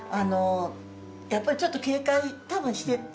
やっぱりちょっと警戒多分してますよね。